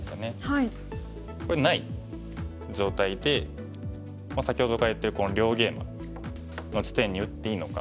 これない状態で先ほどから言ってる両ゲイマの地点に打っていいのか。